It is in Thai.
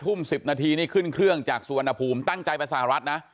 ทุ่ม๑๐นาทีนี่ขึ้นเครื่องจากสุวรรณภูมิตั้งใจไปสหรัฐนะ